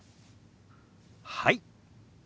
はい。